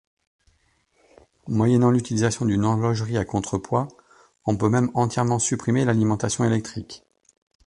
Moyennant l'utilisation d'une horlogerie à contrepoids, on peut même entièrement supprimer l'alimentation électrique.